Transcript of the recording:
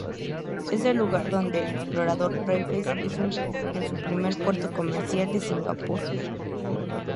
Es el lugar donde el explorador Raffles hizo el primero puerto comercial de Singapur.